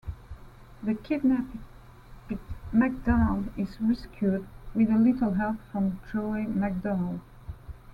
The kidnapped McDonald is rescued, with a little help from Joey McDonald.